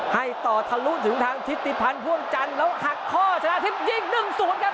ให้ต่อทะลุถึงทางทิศติพันธ์พ่วงจันทร์แล้วหักข้อชนะทิพย์ยิง๑๐ครับ